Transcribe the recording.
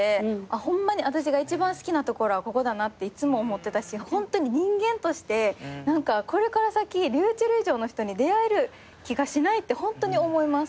ホンマに私が一番好きなところはここだなっていつも思ってたしホントに人間としてこれから先ｒｙｕｃｈｅｌｌ以上の人に出会える気がしないってホントに思います。